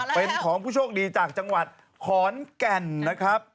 เป็นของผู้โชคดีจากจังหวัดขอนแก่นนะครับ